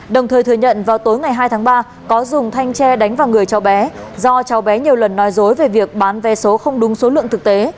đồng thời thừa nhận vào tối ngày hai tháng ba có dùng thanh tre đánh vào người cháu bé do cháu bé nhiều lần nói dối về việc bán vé số không đúng số lượng thực tế